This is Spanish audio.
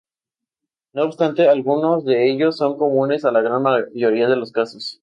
No obstante, algunos de ellos son comunes a la gran mayoría de los casos.